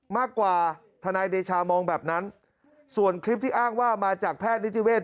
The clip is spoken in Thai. ทนายเดชามองแบบนั้นส่วนคลิปที่อ้างว่ามาจากแพทย์นิติเวศ